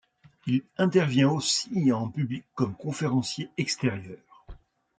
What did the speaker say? Il intervient aussi en public comme conférencier extérieur.